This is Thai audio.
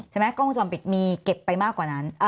กล้องวงจรปิดมีเก็บไปมากกว่านั้น